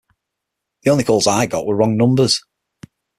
The only calls I got were wrong numbers.